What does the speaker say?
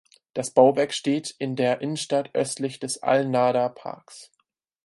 Das Bauwerk steht in der Innenstadt östlich des Al Nahda Parks.